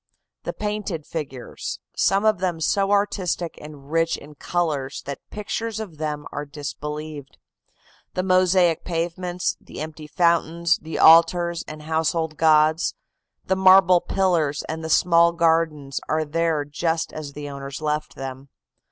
The painted figures, some of them so artistic and rich in colors that pictures of them are disbelieved, the mosaic pavements, the empty fountains, the altars and household gods, the marble pillars and the small gardens are there just as the owners left them.